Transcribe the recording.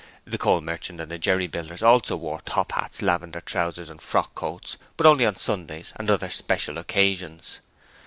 The coal merchant and the jerry builders also wore top hats, lavender trousers and frock coats, but only on Sundays and other special occasions.